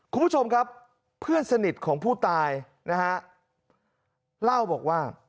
คุณผู้ชมครับเพื่อนสนิทของผู้ตายนะฮะเล่าบอกว่า